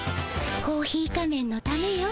コーヒー仮面のためよ。